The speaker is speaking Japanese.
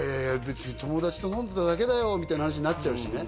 別に友達と飲んでただけだよみたいな話になっちゃうしね